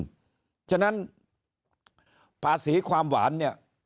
เพราะฉะนั้นภาษีความหวานเนี่ย